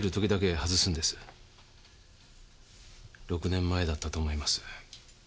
６年前だったと思います。